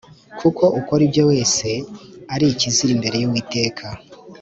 Kuko ukora ibyo wese ari ikizira imbere y’Uwiteka